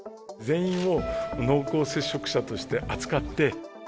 全員を濃厚接触者として扱って。